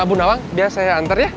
abu nawang biar saya antar ya